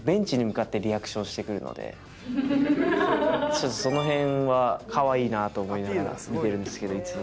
ちょっとその辺は可愛いなと思いながら見てるんですけどいつも。